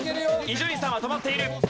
伊集院さんは止まっている。